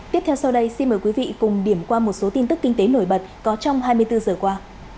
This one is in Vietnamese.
tiếp theo sau đây xin mời quý vị cùng điểm qua một số tin tức kinh tế nổi bật có trong hai mươi bốn giờ qua